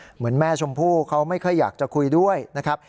เหมือนแม่ชมพู่เขาไม่ค่อยอยากจะคุยด้วยนะครับ